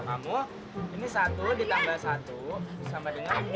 kalo kamu ini satu ditambah satu sama dengan dua